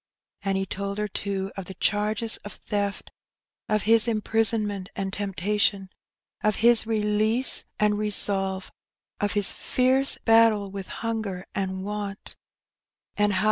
And he told her, too, of the charge of theft, of his imprisonment and temptation, of his release and re solve, of his fierce battle with hunger and want; and how, Q 2 228 Hee Benny.